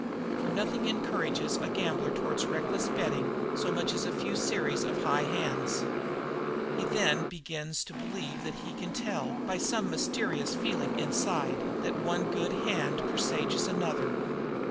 For nothing encourages a gambler toward reckless betting so much as a few series of high hands. He then begins to believe that he can tell, by some mysterious feeling inside, that one good hand presages another.